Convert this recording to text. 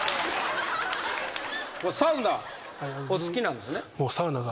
サウナお好きなんですね？